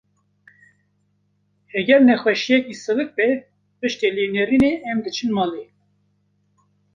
Heger nexwşiyeke sivik be, piştî lênêrînê em diçin malê.